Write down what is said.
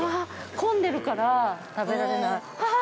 ◆混んでるから、食べられない。